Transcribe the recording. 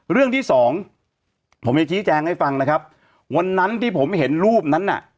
เรื่องที่สองผมจะชี้แจงให้ฟังนะครับวันนั้นที่ผมเห็นรูปนั้นน่ะ